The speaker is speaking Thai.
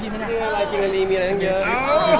ก็คิดเหมือนกับรายกินออกมากเยอะ